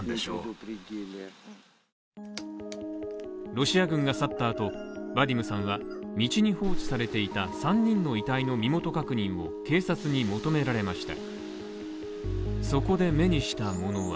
ロシア軍が去ったあとヴァディムさんは、道に放置されていた３人の遺体の身元確認を警察に求められました。